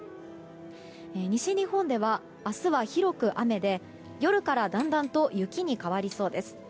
西日本では明日は広く雨で夜からだんだんと雪に変わりそうです。